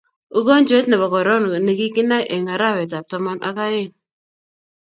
ukojwet nebo korona ne kikinai eng arawet ab taman ak ieng